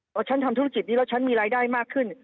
พอฉันทำธุรกิจนี้แล้วฉันมีรายได้มากขึ้น